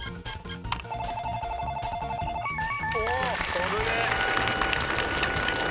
危ねえ！